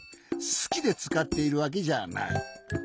すきでつかっているわけじゃない。